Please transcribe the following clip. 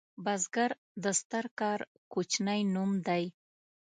بزګر د ستر کار کوچنی نوم دی